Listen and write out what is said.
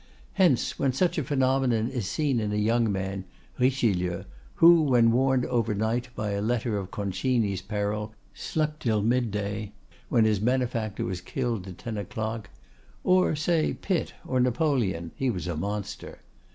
"Hence, when such a phenomenon is seen in a young man—Richelieu, who, when warned overnight by a letter of Concini's peril, slept till midday, when his benefactor was killed at ten o'clock—or say Pitt, or Napoleon, he was a monster.